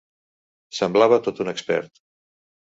Semblava tot un expert.